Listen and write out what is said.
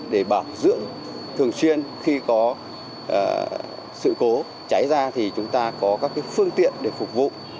để bảo dưỡng thường xuyên khi có sự cố cháy ra thì chúng ta có các phương tiện để phục vụ